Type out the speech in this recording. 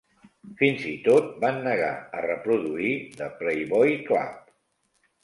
Fins i tot van negar a reproduir "The Playboy Club".